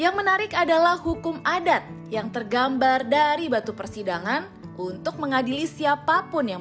yang menarik adalah hukum adat yang tergambar dari batu persidangan untuk mengadili siapapun yang